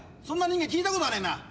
そんな人間聞いたことねえな。